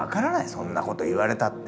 そんなこと言われたって。